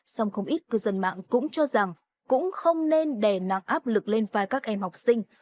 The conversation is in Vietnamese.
song không ít cư dân mạng cũng cho rằng cũng không nên đè nặng áp lực lên vai các em học sinh